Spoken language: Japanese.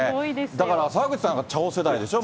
だから澤口さんなんか、ちゃお世代でしょう？